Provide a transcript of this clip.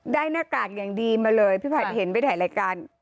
หน้ากากอย่างดีมาเลยพี่ผัดเห็นไปถ่ายรายการ